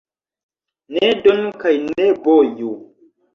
Ne donu kaj ne boju.